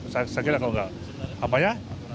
saya kira kalau enggak apa ya